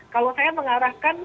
kalau saya mengarahkan